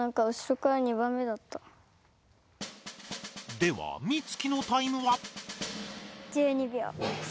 ではミツキのタイムは？